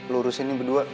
luurusin nih berdua